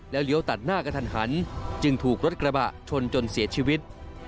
เลี้ยวตัดหน้ากระทันหันจึงถูกรถกระบะชนจนเสียชีวิต